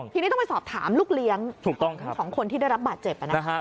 ทีนี้ต้องไปสอบถามลูกเลี้ยงของคนที่ได้รับบาดเจ็บ